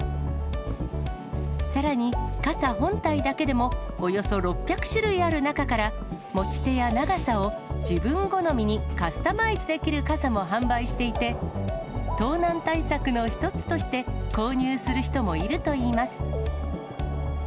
さらに、傘本体だけでもおよそ６００種類ある中から、持ち手や長さを自分好みにカスタマイズできる傘も販売していて、盗難対策の一つとして購入する人もいるといいます。